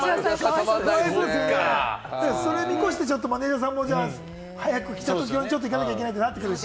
それを見越したマネジャーさんも早く来たとき用に行かなきゃいけなくなってくるし。